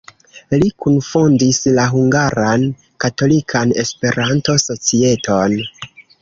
Li kunfondis la Hungaran Katolikan Esperanto-Societon.